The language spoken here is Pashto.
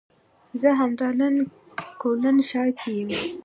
زه همدا نن کولن ښار کې یم